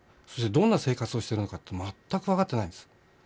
そしてどんな生活をしてるのか全く分かってないんです。